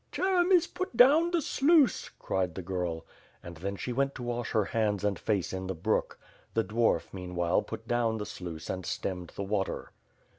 "Cheremis, put down the sluice," cried the girl. And then she went to wash her hands and face in the brook. The dwarf meanwhile put down the sluice and stemmed the water.